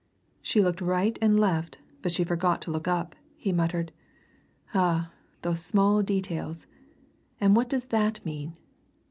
"She looked right and left, but she forgot to look up!" he muttered. "Ah! those small details. And what does that mean?